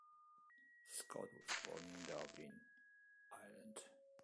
Scott was born in Dublin, Ireland.